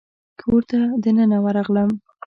کور ته دننه ورغلم.